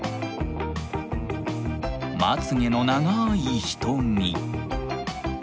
まつげの長い瞳。